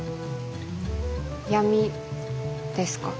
闇ですか？